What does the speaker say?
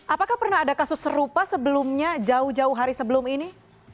apakah pernah ada kasus serupa sebelumnya jauh jauh hari sebelum ini